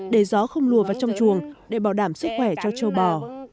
để gió không lùa vào trong chuồng để bảo đảm sức khỏe cho châu bò